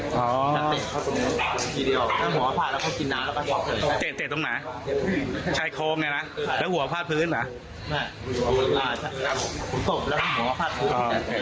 เปล่าปลาปื้นหรอ